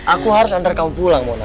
aku harus hantar kamu pulang mona